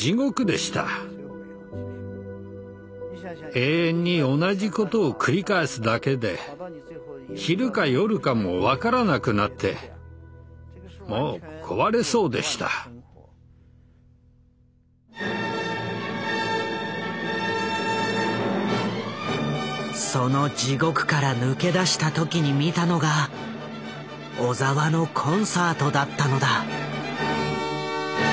永遠に同じことを繰り返すだけで昼か夜かも分からなくなってその地獄から抜け出した時に見たのが小澤のコンサートだったのだ。